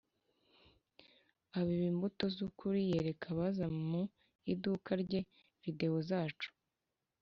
abiba imbuto z ukuri yereka abaza mu iduka rye videwo zacu